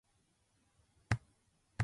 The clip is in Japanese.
人事を尽くして天命を待つ